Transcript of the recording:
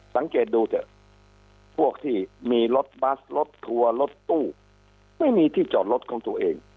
สังเกตดูเถอะพวกที่มีรถบัสรถทัวร์รถตู้ไม่มีที่จอดรถของตัวเอง